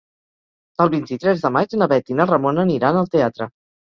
El vint-i-tres de maig na Bet i na Ramona aniran al teatre.